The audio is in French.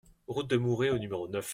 Route de Mouret au numéro neuf